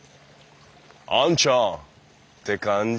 「あんちゃん！」って感じ？